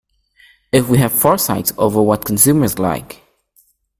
If we have foresight over what consumers like.